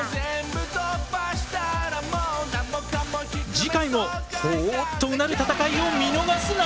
次回もほぉっとうなる戦いを見逃すな！